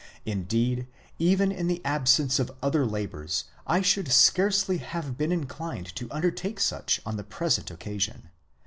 Indeed, even in the absence of other labours, I should scarcely have been inclined to undertake such on the pre sent occasion.